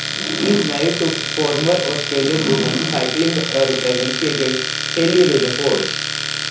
He is married to former Australian women's cycling representative Hayley Rutherford.